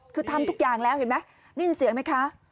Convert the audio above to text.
คือทำทุกอย่างแล้วเห็นมั้ย